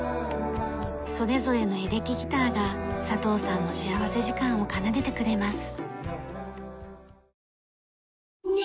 それぞれのエレキギターが佐藤さんの幸福時間を奏でてくれます。